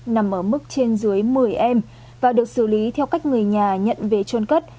nằm ở mức trên dưới một mươi em và được xử lý theo cách người nhà nhận về trôn cất